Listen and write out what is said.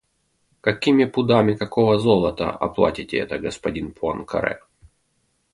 Какими пудами какого золота оплатите это, господин Пуанкаре?